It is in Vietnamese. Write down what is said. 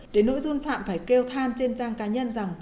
đến nội dung phạm phải kêu than trên trang cá nhân rằng